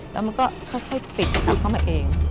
แล้วมันก็ค่อยปิดจะกลับเข้ามาเอง